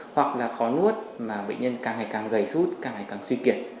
hoặc là khó nuốt mà bệnh nhân càng ngày càng gầy suốt càng ngày càng suy kiệt